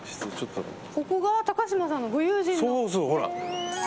ここが高嶋さんのご友人の。